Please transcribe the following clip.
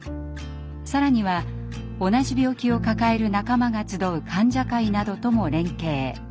更には同じ病気を抱える仲間が集う患者会などとも連携。